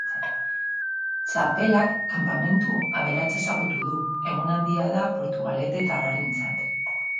Txapelak kanpamentu aberatsa ezagutu du, egun handia da portugaletetarrarentzat.